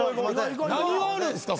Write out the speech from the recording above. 何があるんすか？